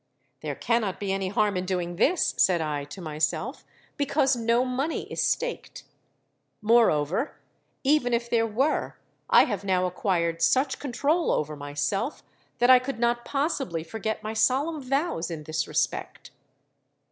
'There cannot be any harm in doing this,' said I to myself; 'because no money is staked. Moreover, even if there were, I have now acquired such control over myself that I could not possibly forget my solemn vows in this respect.'